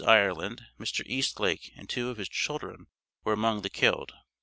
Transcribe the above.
Ireland, Mr. Eastlake and two of his children, were among the killed.